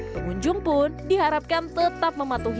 pengunjung pun diharapkan tetap mematuhi